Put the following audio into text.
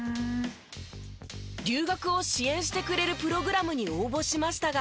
留学を支援してくれるプログラムに応募しましたが。